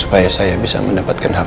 supaya saya bisa mendapatkan hak